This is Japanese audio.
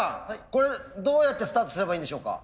これどうやってスタートすればいいんでしょうか。